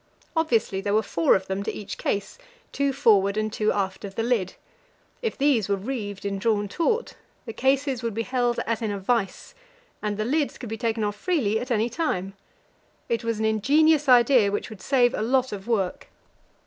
Obviously there were four of them to each case two forward and two aft of the lid. If these were reeved and drawn taut, the cases would be held as in a vice, and the lids could be taken off freely at any time. It was an ingenious idea, which would save a lot of work.